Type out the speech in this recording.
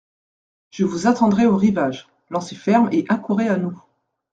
Je vous attendrai au rivage ; lancez ferme et accourez à nous.